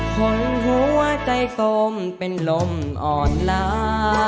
คนหัวใจสมเป็นลมอ่อนล้า